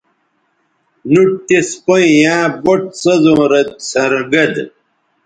نُٹ تِس پیئں ییاں بُٹ څیزوں رے څھنر گید